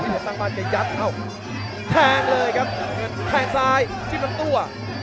ตั้งแต่ว่าเก๋ยับเข้าแทงเลยครับแทงซ้ายชิ้นทั้งตัว